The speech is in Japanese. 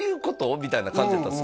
みたいな感じやったんです